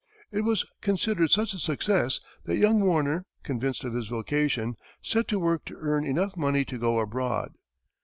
It was considered such a success that young Warner, convinced of his vocation, set to work to earn enough money to go abroad.